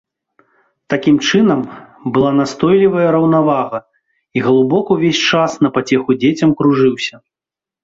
Такім чынам, была настойлівая раўнавага, і галубок увесь час на пацеху дзецям кружыўся.